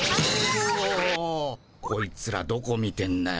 こいつらどこ見てんだよ？